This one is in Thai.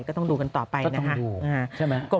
ก็ต้องดูกันต่อไปนะฮะใช่ไหมครับก็ต้องดู